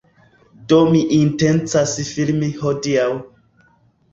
Do mi intencas filmi hodiaŭ.